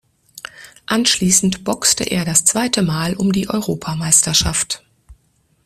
Anschließend boxte er das zweite Mal um die Europameisterschaft.